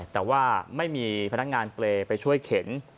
แต่ว่าไม่มีพนักงานเปรย์ไปช่วยเข็น